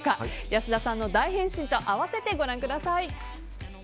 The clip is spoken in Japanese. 安田さんの大変身と併せてご覧ください。